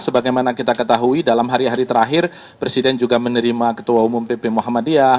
sebagaimana kita ketahui dalam hari hari terakhir presiden juga menerima ketua umum pp muhammadiyah